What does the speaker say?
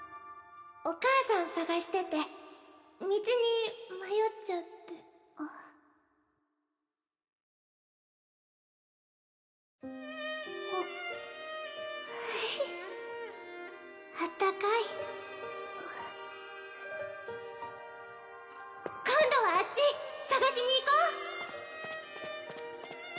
お母さん捜してて道に迷っちゃってんっあっ。へへっあったかいあっ今度はあっち捜しに行こう！